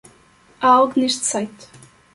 Há algo neste site.